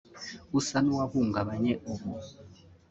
usa n’uwahungabanye ubu